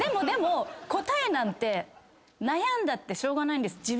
でも答えなんて悩んだってしょうがないんです。